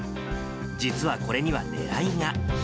実はこれにはねらいが。